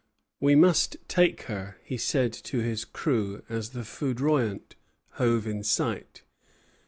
"We must take her," he said to his crew as the "Foudroyant" hove in sight.